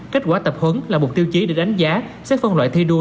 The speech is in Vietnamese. kết quả tập huấn là một tiêu chí để đánh giá xét phân loại thi đua